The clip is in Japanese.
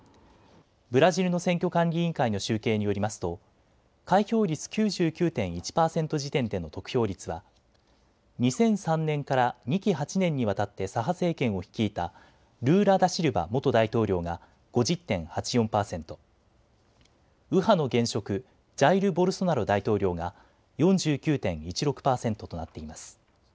ブラジルの選挙管理委員会の集計によりますと開票率９９．１％時点での得票率は２００３年から２期８年にわたって左派政権を率いたルーラ・ダシルバ元大統領が５０．８４％、右派の現職、ジャイル・ボルソナロ大統領が４９．１６％となっています。